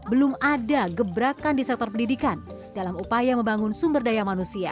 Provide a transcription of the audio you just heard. belum ada gebrakan di sektor pendidikan dalam upaya membangun sumber daya manusia